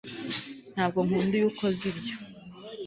ntabwo nkunda iyo ukoze ibyo